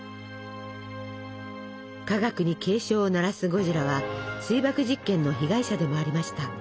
科学に警鐘を鳴らすゴジラは水爆実験の被害者でもありました。